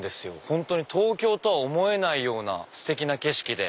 本当に東京とは思えないようなステキな景色で。